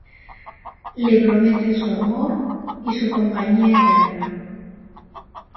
Le promete su amor y su compañía eterna.